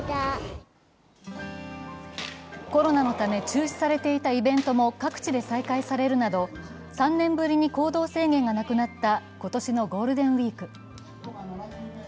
コロナのため、中止されていたイベントも各地で再開されるなど３年ぶりに行動制限がなくなった今年のゴールデンウイーク。